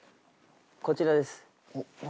こちらです。